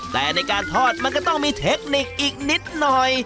แต่ในการทอดมันก็ต้องมีเทคนิคอีกนิดหน่อย